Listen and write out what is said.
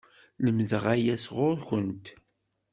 Lemdeɣ aya sɣur-kent!